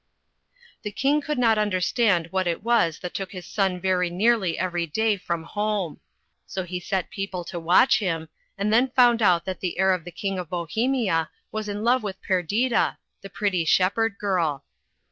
The King could not understand what it was that took his son nearly every day from home ; so he set people to watch him, and then found out that the heir of the King of Bohemia was in love with Perdita, the pretty shepherd girl.